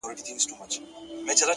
د حقیقت رڼا دوکه کمزورې کوي!